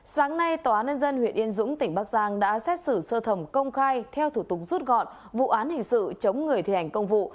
sáng nay tòa án nhân dân huyện yên dũng tỉnh bắc giang đã xét xử sơ thẩm công khai theo thủ tục rút gọn vụ án hình sự chống người thi hành công vụ